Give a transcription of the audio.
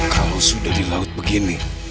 kalau sudah di laut begini